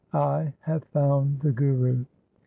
I have found the Guru !!